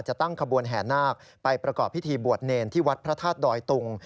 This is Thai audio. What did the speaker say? ตั้งขบวนแห่นาคไปประกอบพิธีบวชเนรที่วัดพระธาตุดอยตุง